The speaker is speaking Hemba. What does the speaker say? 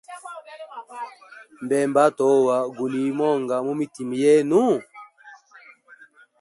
Mbemba atowa, guli monga mumitima yenu?